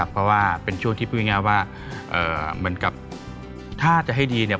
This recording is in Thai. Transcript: เพราะว่าเป็นช่วงที่พูดง่ายว่าเหมือนกับถ้าจะให้ดีเนี่ย